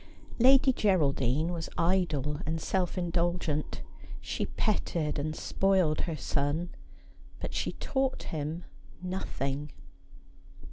Lady Geraldine was idle and self indulgent ; she petted and spoiled her son, but she taught him nothing.